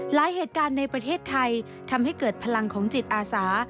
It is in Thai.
หลายเหตุการณ์ในประเทศไทยทำให้เกิดพลังของจิตอาสา